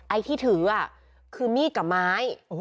ไอ้ที่ถือคือมีดกับไม้